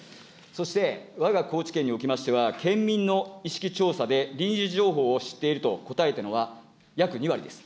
そしてわが高知県におきましては、県民の意識調査で、臨時情報を知っていると答えたのは約２割です。